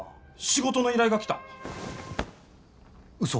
仕事の依頼が来た嘘！？